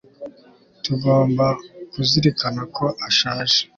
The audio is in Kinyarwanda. tugomba kuzirikana ko ashaje